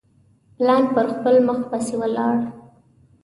پلان پر خپل مخ پسي ولاړ.